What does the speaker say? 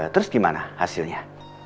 terus gimana hasilnya